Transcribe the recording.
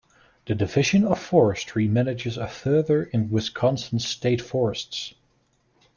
The Division of Forestry manages a further in Wisconsin's state forests.